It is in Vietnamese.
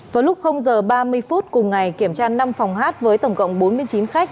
vào lúc giờ ba mươi phút cùng ngày kiểm tra năm phòng hát với tổng cộng bốn mươi chín khách